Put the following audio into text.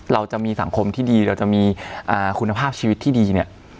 เราจะมีสังคมที่ดีเราจะมีคุณภาพชีวิตที่ดีเนี่ย